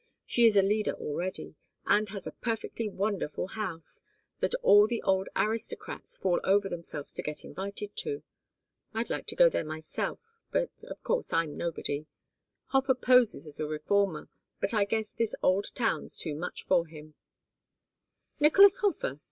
She is a leader already, and has a perfectly wonderful house, that all the old aristocrats fall over themselves to get invited to. I'd like to go there myself, but of course I'm nobody. Hofer poses as a reformer, but I guess this old town's too much for him " "Nicolas Hofer?"